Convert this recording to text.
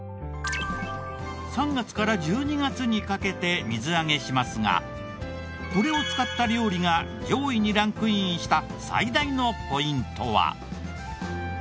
３月から１２月にかけて水揚げしますがこれを使った料理が上位にランクインした最大のポイントは。